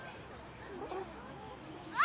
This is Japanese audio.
⁉あ。